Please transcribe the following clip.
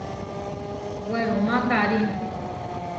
Werumá karí.